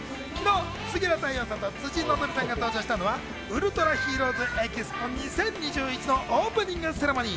杉浦太陽さんと辻希美さんが登場したのは「ウルトラヒーローズＥＸＰＯ２０２１」のオープニングセレモニー。